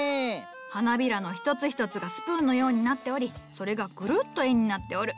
花びらの一つ一つがスプーンのようになっておりそれがぐるっと円になっておる。